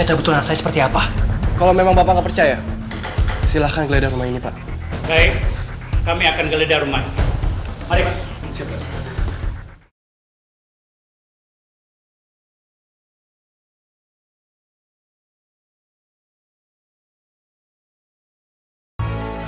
betul betul seperti apa kalau memang bapak percaya silahkan geledah rumah ini pak baik kami akan